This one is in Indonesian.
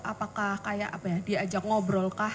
apakah kayak apa ya diajak ngobrol kah